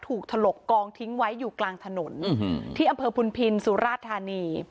ถลกกองทิ้งไว้อยู่กลางถนนที่อำเภอพุนพินสุราธานี